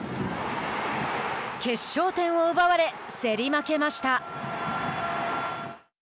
決勝点を奪われ競り負けました。